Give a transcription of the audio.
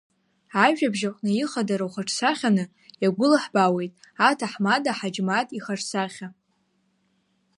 Ажәабжь аҟны ихадароу хаҿсахьаны иагәылаҳбаауеит аҭаҳмада Ҳаџьмаҭ ихаҿсахьа.